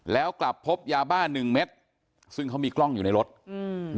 แล้วกลับพบยาบ้าหนึ่งเม็ดซึ่งเขามีกล้องอยู่ในรถอืม